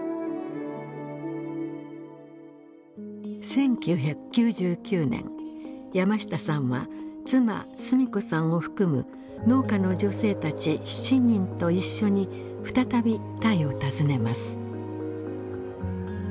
１９９９年山下さんは妻須美子さんを含む農家の女性たち７人と一緒に再びタイを訪ねます。